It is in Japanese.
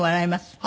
はい。